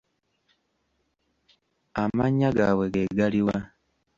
Amannya gaabwe ge galiwa?